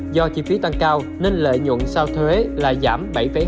do chi phí tăng cao nên lợi nhuận sau thuế là giảm bảy hai